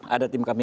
ada tim kami